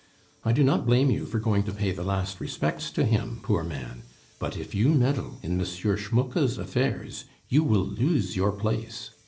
I do not blame you for going to pay the last respects to him, poor man.... But if you meddle in M. Schmucke's affairs, you will lose your place.